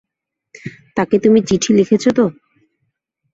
তাঁকে তুমি চিঠি লিখেছ তো?